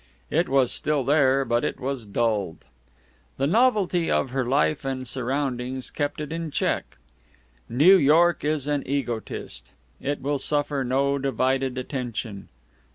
It was still there, but it was dulled. The novelty of her life and surroundings kept it in check. New York is an egotist. It will suffer no divided attention.